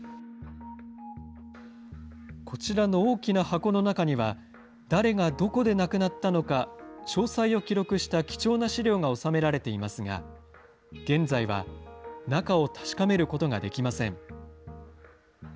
こちらの大きな箱の中には、誰がどこで亡くなったのか詳細を記録した貴重な史料が収められていますが、現在は中を確かめることができません。